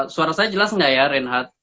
suara saya jelas nggak ya reinhardt